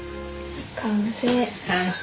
完成。